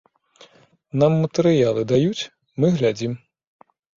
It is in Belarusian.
Нам матэрыялы даюць, мы глядзім.